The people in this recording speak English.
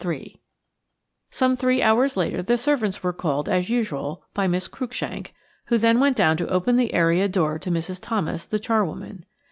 3 SOME three hours later the servants were called, as usual, by Miss Cruikshank, who then went down to open the area door to Mrs. Thomas, the charwoman.